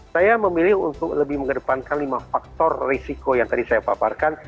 saya memilih untuk lebih mengedepankan lima faktor risiko yang tadi saya paparkan